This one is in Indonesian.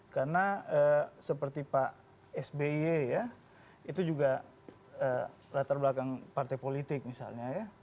karena seperti pak sby ya itu juga latar belakang partai politik misalnya ya